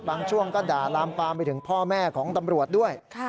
ช่วงก็ด่าลามปามไปถึงพ่อแม่ของตำรวจด้วย